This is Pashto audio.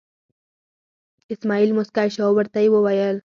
اسمعیل موسکی شو او ورته یې وویل.